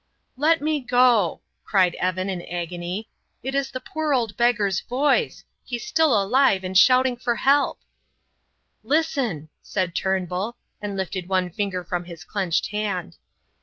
"Let me go!" cried Evan, in agony; "it's the poor old beggar's voice he's still alive, and shouting for help." "Listen!" said Turnbull, and lifted one finger from his clenched hand.